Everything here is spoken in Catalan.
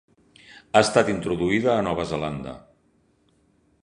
Ha estat introduïda a Nova Zelanda.